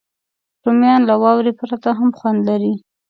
رومیان له واورې پرته هم خوند لري